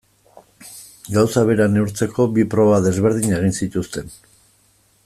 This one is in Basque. Gauza bera neurtzeko bi proba desberdin egin zituzten.